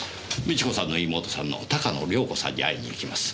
美智子さんの妹さんの鷹野涼子さんに会いに行きます。